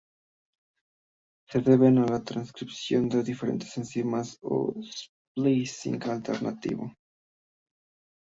Se deben a la transcripción de diferentes enzimas o a splicing alternativo.